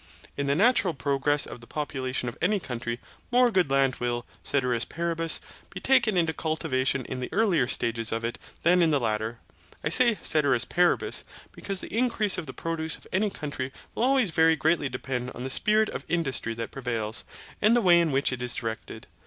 In the natural progress of the population of any country, more good land will, caeteris paribus, be taken into cultivation in the earlier stages of it than in the later. (I say 'caeteris paribus', because the increase of the produce of any country will always very greatly depend on the spirit of industry that prevails, and the way in which it is directed.